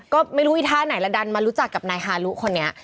ก็ไม่รู้อีท่าไหนแล้วดันมารู้จักกับนายฮารุคนนี้